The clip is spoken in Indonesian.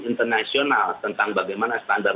internasional tentang bagaimana standar